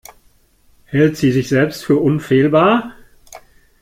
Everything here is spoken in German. Hält sie sich selbst für unfehlbar?